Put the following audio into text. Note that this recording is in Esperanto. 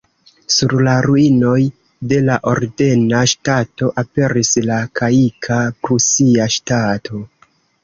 Sur la ruinoj de la ordena ŝtato aperis la laika prusia ŝtato.